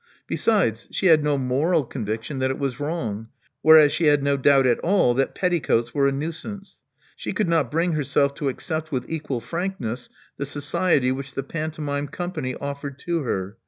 Besides, she had no moral convic* tion that it was wrong, whereas she had no doubt at all that petticoats were a nuisance. She could not bring herself to accept with equal frankness the society which the pantomime company offered to her.